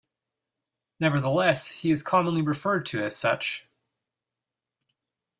Nevertheless, he is commonly referred to as such.